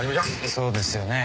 そうですよね。